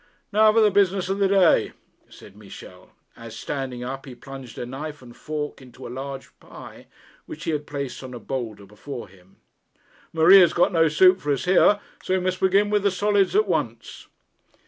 'Now for the business of the day,' said Michel, as, standing up, he plunged a knife and fork into a large pie which he had placed on a boulder before him. 'Marie has got no soup for us here, so we must begin with the solids at once.'